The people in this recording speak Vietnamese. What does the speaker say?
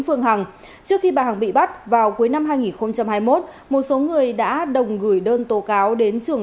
phương hằng trước khi bà hằng bị bắt vào cuối năm hai nghìn hai mươi một một số người đã đồng gửi đơn tố cáo đến trường